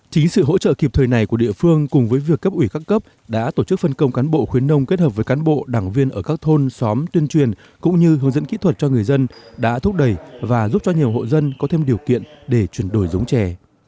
chính sự hỗ trợ kịp thời này của địa phương cùng với việc cấp ủy các cấp đã tổ chức phân công cán bộ khuyến nông kết hợp với cán bộ đảng viên ở các thôn xóm tuyên truyền cũng như hướng dẫn kỹ thuật cho người dân đã thúc đẩy và giúp cho nhiều hộ dân có thêm điều kiện để chuyển đổi giống trè